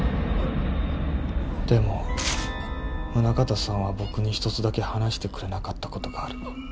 でも宗形さんは僕に１つだけ話してくれなかった事がある。